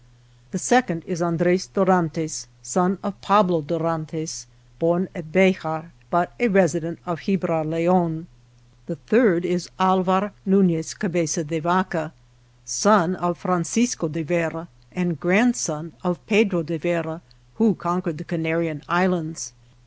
The second is Andres Dorantes, son of Pablo Dorantes, born at Bejar, but a resident of Gibraleon. The third is Alvar Nunez Cabeza de Vaca, son of Francisco de Vera and grandson of Pedro de Vera, who conquered the Canarian Islands.